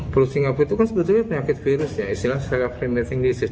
flu flu singapura itu kan sebetulnya penyakit virus ya istilahnya selera flemming disease